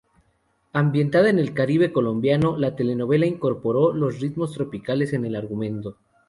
Ambientada en el Caribe colombiano, la telenovela incorporó los ritmos tropicales en el argumento.